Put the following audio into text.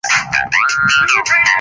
县治奥斯威戈和普瓦斯基。